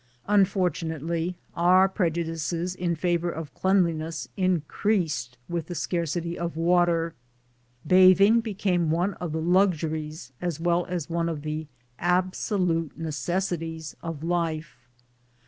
Unfortunately, our prejudices in favor of cleanliness in creased with the scarcity of water. Bathing became one of the luxuries as well as one of the absolute neces sities of life.